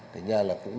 thì ra là cũng